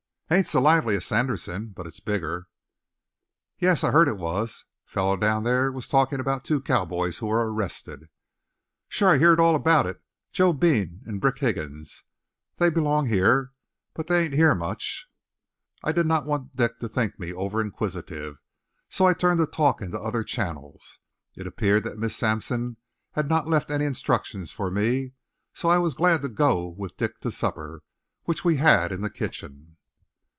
"Ain't so lively as Sanderson, but it's bigger." "Yes, I heard it was. Fellow down there was talking about two cowboys who were arrested." "Sure. I heerd all about thet. Joe Bean an' Brick Higgins they belong heah, but they ain't heah much." I did not want Dick to think me overinquisitive, so I turned the talk into other channels. It appeared that Miss Sampson had not left any instructions for me, so I was glad to go with Dick to supper, which we had in the kitchen.